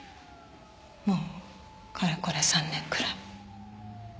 もうかれこれ３年くらい。